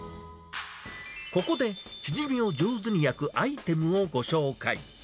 ここで、チヂミを上手に焼くアイテムをご紹介。